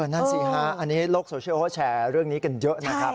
นั่นสิฮะอันนี้โลกโซเชียลเขาแชร์เรื่องนี้กันเยอะนะครับ